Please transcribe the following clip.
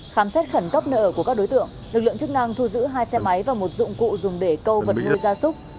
khám xét khẩn cấp nơi ở của các đối tượng lực lượng chức năng thu giữ hai xe máy và một dụng cụ dùng để câu vật nuôi gia súc